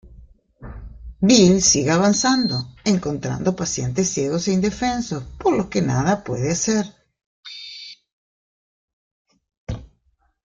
Bill sigue avanzando, encontrando pacientes ciegos e indefensos, por los que nada puede hacer.